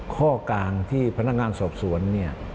ข้อกลางที่พนักงานสอบสวนเนี่ย